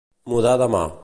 Mudar de mà.